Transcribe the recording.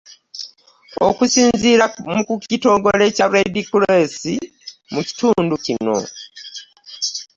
Okusinziira ku kitongole kya Red Cross mu kitundu kino